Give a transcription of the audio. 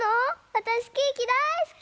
わたしケーキだいすき！